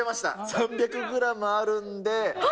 ３００グラムあるんで。